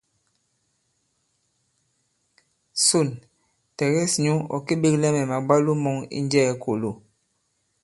Sôn, tɛ̀gɛs nyǔ ɔ̀ kê-beglɛ mɛ̀ màbwalo mɔ̄ŋ i Njɛɛ̄-Kōlo.